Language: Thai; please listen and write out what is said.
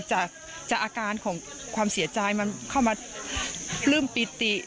จากอาการของความเสียใจมันเข้ามาปลื้มปิติ